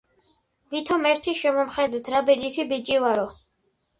ვითომ ერთი შემომხედეთ, რა ბეჯითი ბიჭი ვარო.